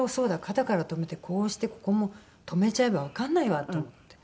肩から留めてこうしてここも留めちゃえばわかんないわと思って。